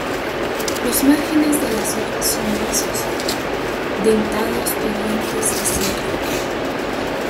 Los márgenes de las hojas son lisos, dentados o dientes de sierra.